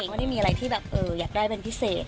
ไม่ได้มีอะไรที่แบบอยากได้เป็นพิเศษ